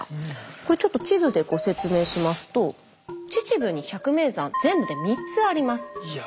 これちょっと地図でご説明しますと秩父に百名山全部で３つあります。